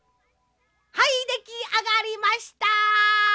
はいできあがりました！